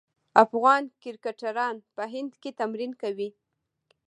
افغان کرکټران په هند کې تمرین کوي.